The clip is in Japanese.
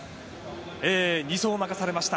２走を任されました。